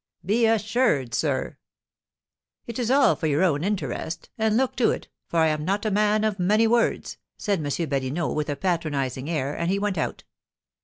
"Be assured, sir " "It is all for your own interest, and look to it, for I am not a man of many words," said M. Badinot, with a patronising air, and he went out.